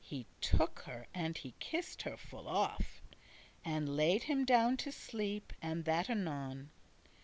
He took her, and he kissed her full oft, And laid him down to sleep, and that anon.